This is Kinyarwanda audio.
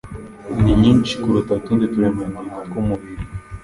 ni nyinshi kuruta utundi turemangingo tw'umubiri